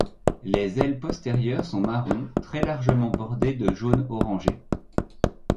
Les ailes postérieures sont marron très largement bordées de jaune orangé.